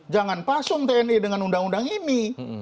jangan pasung tni dengan undang undang ini